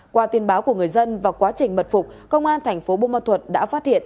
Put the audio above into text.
qua tin báo của người dân và quá trình mật phục công an thành phố bô ma thuật đã phát hiện